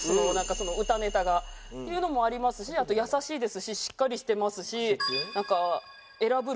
その歌ネタが。っていうのもありますしあと優しいですししっかりしてますしなんか偉ぶるところもないし。